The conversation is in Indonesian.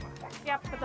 siap betul banget